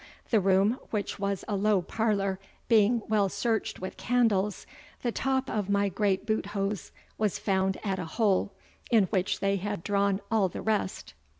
The roome, which was a low parlour, being well searched with candles, the top of my great boothose was found at a hole, in which they had drawne all the rest.